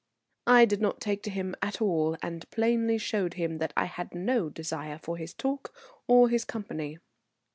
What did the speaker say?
I did not take to him at all, and plainly showed him that I had no desire for his talk or his company.